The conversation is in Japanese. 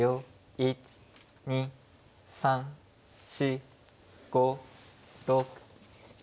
１２３４５６。